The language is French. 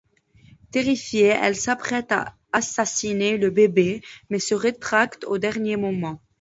Terrifiée, elle s'apprête à assassiner le bébé mais se rétracte au dernier moment.